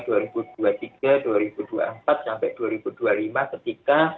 sampai dua ribu dua puluh lima ketika